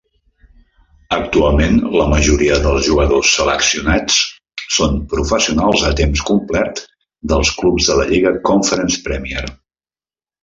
Actualment, la majoria dels jugadors seleccionats són professionals a temps complet dels clubs de la lliga Conference Premier.